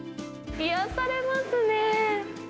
癒やされますね。